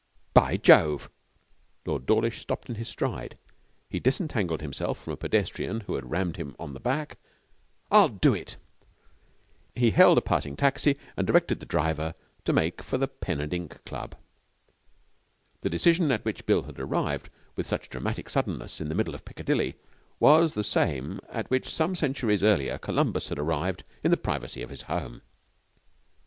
'By Jove!' Lord Dawlish stopped in his stride. He disentangled himself from a pedestrian who had rammed him on the back. 'I'll do it!' He hailed a passing taxi and directed the driver to make for the Pen and Ink Club. The decision at which Bill had arrived with such dramatic suddenness in the middle of Piccadilly was the same at which some centuries earlier Columbus had arrived in the privacy of his home.